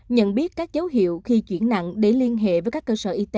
nhận biết các dấu hiệu khi chuyển nặng để liên hệ với các cơ sở y tế